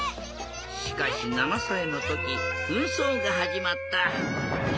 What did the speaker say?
しかし７さいのときふんそうがはじまった。